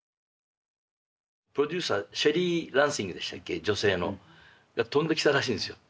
プロデューサーシェリー・ランシングでしたっけ女性の。が飛んできたらしいんですよ。